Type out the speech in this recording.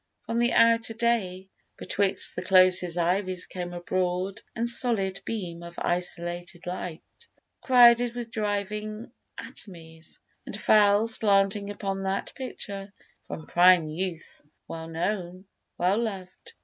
From the outer day, Betwixt the closest ivies came a broad And solid beam of isolated light, Crowded with driving atomies, and fell Slanting upon that picture, from prime youth Well known, well loved.